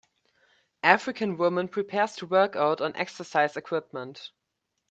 African woman prepares to workout on exercise equipment.